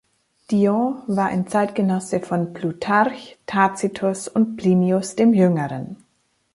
Dion war ein Zeitgenosse von Plutarch, Tacitus und Plinius dem Jüngeren.